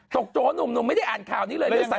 ตกโจทย์หูหนึ่งไม่ได้อ่านข่านี้เลย